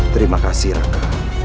terima kasih raka